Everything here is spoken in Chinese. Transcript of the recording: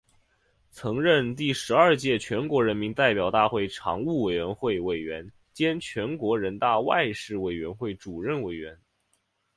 曾任第十二届全国人民代表大会常务委员会委员兼全国人大外事委员会主任委员。